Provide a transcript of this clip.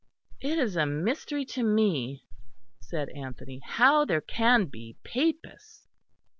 "It is a mystery to me," said Anthony, "how there can be Papists."